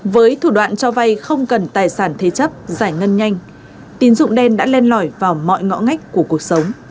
với thủ đoạn cho vay không cần tài sản thế chấp giải ngân nhanh tín dụng đen đã len lỏi vào mọi ngõ ngách của cuộc sống